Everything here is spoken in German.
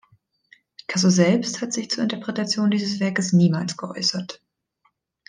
Picasso selbst hat sich zur Interpretation dieses Werkes niemals geäußert.